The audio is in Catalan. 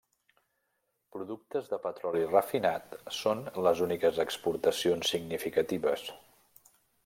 Productes de petroli refinat són les úniques exportacions significatives.